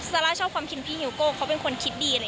ซาร่าชอบความคิดพี่ฮิวโก้เขาเป็นคนคิดดี